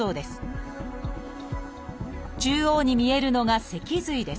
中央に見えるのが脊髄です